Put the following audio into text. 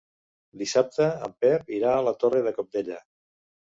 Dissabte en Pep irà a la Torre de Cabdella.